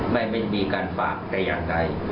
ไม่มีการฝากแต่อย่างใด